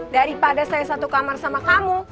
daripada saya satu kamar sama kamu